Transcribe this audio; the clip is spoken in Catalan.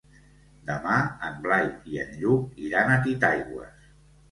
Demà en Blai i en Lluc iran a Titaigües.